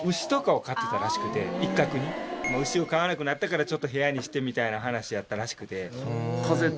牛を飼わなくなったからちょっと部屋にしてみたいな話やったらしくて。